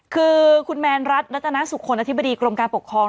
คือคุณแมนรัฐรัตนาสุขลอธิบดีกรมการปกครอง